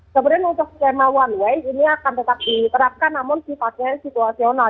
kemudian untuk skema one way ini akan tetap diterapkan namun sifatnya situasional